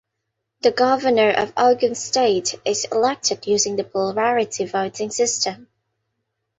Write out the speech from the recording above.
The Governor of Ogun State is elected using the plurality voting system.